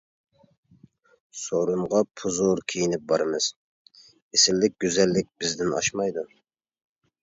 سورۇنغا پۇزۇر كىيىنىپ بارىمىز، ئېسىللىك، گۈزەللىك بىزدىن ئاشمايدۇ.